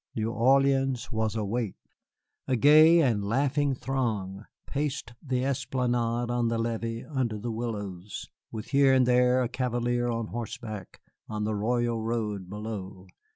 New Orleans was awake. A gay and laughing throng paced the esplanade on the levee under the willows, with here and there a cavalier on horseback on the Royal Road below.